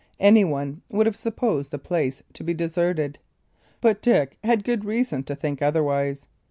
Any one would have supposed the place to be deserted. But Dick had good reason to think otherwise.